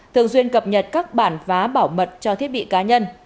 thường xuyên cập nhật các bản phá bảo mật cho thiết bị cá nhân